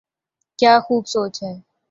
کیا خوب سوچ ہے۔